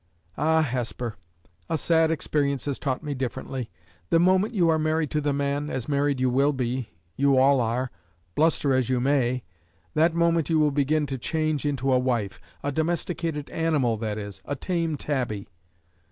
"Ah, Hesper! a sad experience has taught me differently, The moment you are married to the man as married you will be you all are bluster as you may that moment you will begin to change into a wife a domesticated animal, that is a tame tabby.